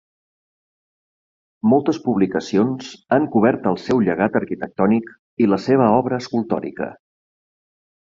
Moltes publicacions han cobert el seu llegat arquitectònic i la seva obra escultòrica.